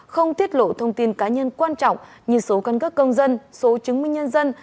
không tiết lộ thông tin cá nhân quan trọng như số căn cấp công dân số chứng minh nhân dân